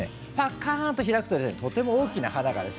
かーんと開くととても大きな花です。